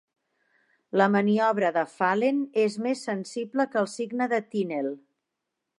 La maniobra de Phalen és més sensible que el signe de Tinel.